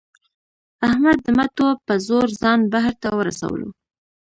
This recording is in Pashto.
احمد د مټو په زور ځان بهر ته ورسولو.